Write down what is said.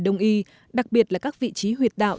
đông y đặc biệt là các vị trí huyệt đạo